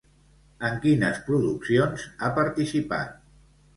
En quines produccions ha participat?